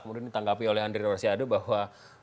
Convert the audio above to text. kemudian ditanggapi oleh andre rorsiade bahwa